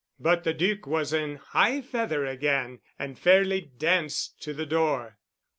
But the Duc was in high feather again and fairly danced to the door.